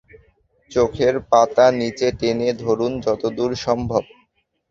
চোখের পাতা নিচে টেনে ধরুন যতদূর সম্ভব।